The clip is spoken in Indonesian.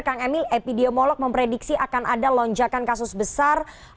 kang emil epidemiolog memprediksi akan ada lonjakan kasus besar